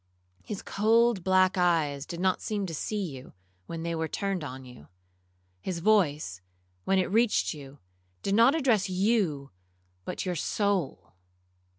His cold black eyes did not seem to see you, when they were turned on you. His voice, when it reached you, did not address you, but your soul.